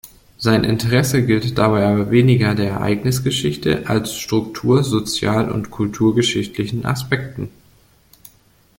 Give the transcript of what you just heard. Sein Interesse gilt dabei aber weniger der Ereignisgeschichte als struktur-, sozial- und kulturgeschichtlichen Aspekten.